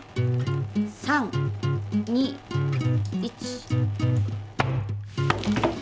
３２１。